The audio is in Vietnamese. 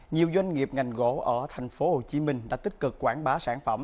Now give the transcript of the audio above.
nhiều doanh nghiệp ngành gỗ ở tp hcm đã tích cực quảng bá sản phẩm